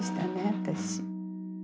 私。